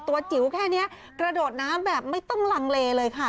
จิ๋วแค่นี้กระโดดน้ำแบบไม่ต้องลังเลเลยค่ะ